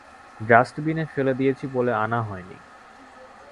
ডাস্ট্রবিনে ফেলে দিয়েছি বলে আনা হয় নি।